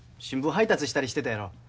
新聞配達したりしてたやろ。